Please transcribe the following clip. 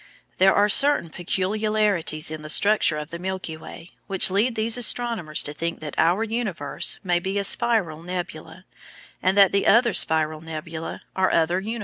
There are certain peculiarities in the structure of the Milky Way which lead these astronomers to think that our universe may be a spiral nebula, and that the other spiral nebulæ are "other universes."